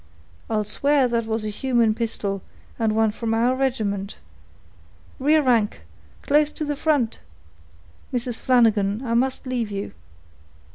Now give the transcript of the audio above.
"I'll swear that was a human pistol, and one from our regiment. Rear rank, close to the front!—Mrs. Flanagan, I must leave you."